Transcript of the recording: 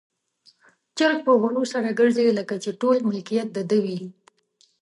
چرګ په غرور سره ګرځي، لکه چې ټول ملکيت د ده وي.